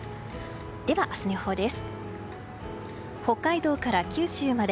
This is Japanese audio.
では、明日の予報です。